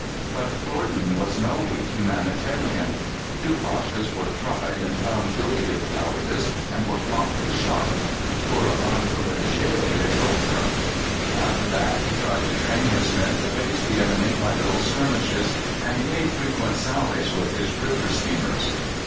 But Gordon was no weak humanitarian. Two Pashas were tried, and found guilty of cowardice, and were promptly shot pour encourager les autres. After that he tried to train his men to face the enemy by little skirmishes, and he made frequent sallies with his river steamers.